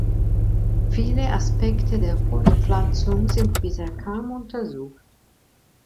Viele Aspekte der Fortpflanzung sind bisher kaum untersucht.